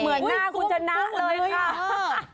เหมือนหน้ากุ้นจันน้อยเลยเกิด